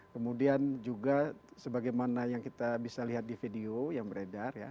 kemudian juga sebagaimana yang kita bisa lihat di video yang beredar ya